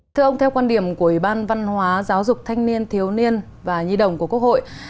thưa ông theo quan điểm của ủy ban văn hóa giáo dục thanh niên thiếu niên và nhi đồng của quốc hội